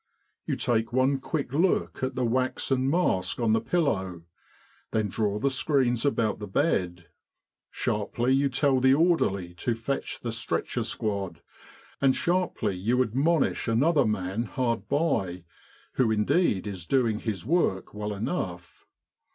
You take one quick look at the waxen mask on the pillow, then draw the screens about the bed. Sharply you tell the orderly to fetch the stretcher squad; and sharply you admonish an other man hard by, who indeed is doing his work well enough.